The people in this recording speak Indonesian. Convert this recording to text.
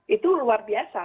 itu luar biasa